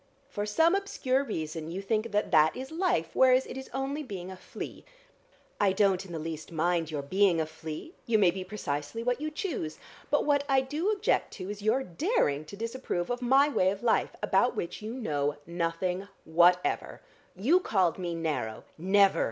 For some obscure reason you think that that is life, whereas it is only being a flea. I don't in the least mind your being a flea, you may be precisely what you choose. But what I do object to is your daring to disapprove of my way of life, about which you know nothing whatever. You called me narrow " "Never!"